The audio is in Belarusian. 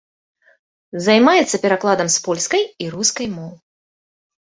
Займаецца перакладам з польскай і рускай моў.